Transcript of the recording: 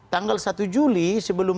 tanggal satu juli sebelum